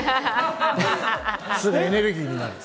すぐエネルギーになる。